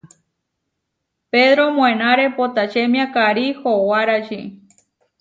Pedró moenáre potačemia karí howaráči.